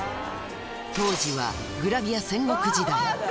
当時はグラビア戦国時代。